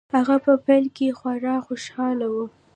هغه په پیل کې خورا خوشحاله و